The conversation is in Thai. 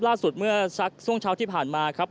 ล่าสุดเมื่อสักช่วงเช้าที่ผ่านมาครับ